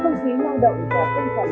không khí lao động và tinh thần